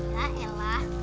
ya ya lah